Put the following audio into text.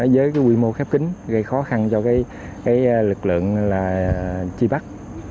với quy mô khép kính gây khó khăn cho lực lượng truy bắt